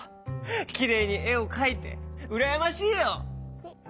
きれいにえをかいてうらやましいよ。